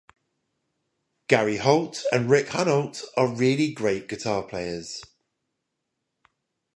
Gary Holt and Rick Hunolt are really great guitar players.